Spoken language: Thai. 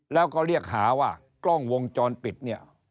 แล้วก็เรียกหาว่ากล้องวงจรปิดเนี่ย